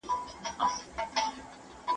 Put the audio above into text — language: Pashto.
زده کوونکي د خپل وطن تاریخ لولي.